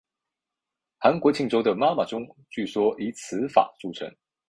韩国庆州的妈妈钟据说以此法铸成。